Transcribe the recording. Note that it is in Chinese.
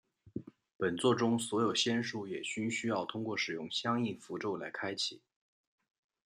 本作中所有仙术也均需要通过使用相应符咒来开启。